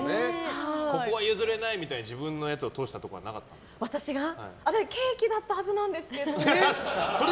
ここは譲れないみたいに自分のやつをケーキだったはずなんですけど。